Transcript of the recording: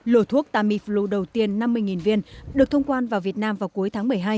lộ thuốc tamiflu đầu tiên năm mươi viên được thông quan vào việt nam vào cuối tháng một